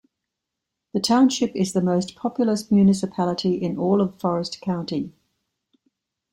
The township is the most populous municipality in all of Forest County.